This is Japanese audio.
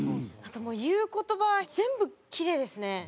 あともう言う言葉全部キレイですね。